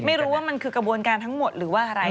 ไม่รู้ว่ามันคือกระบวนการทั้งหมดหรือว่าอะไร